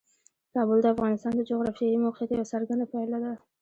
کابل د افغانستان د جغرافیایي موقیعت یوه څرګنده پایله ده.